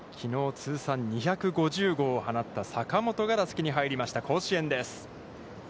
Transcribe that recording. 通算２５０号を放った坂本が打席に入りました甲子園です。